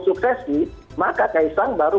suksesi maka ksang baru